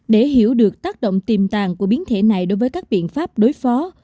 để hiểu được tác động tiềm tàng của biến thể này đối với các biện pháp đối phó